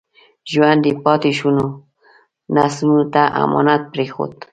ژوند یې پاتې شونو نسلونو ته امانت پرېښود.